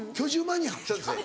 そうですね